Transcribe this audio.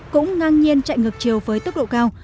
cũng ngang nhiên chạy ngược chiều với tốc độ cao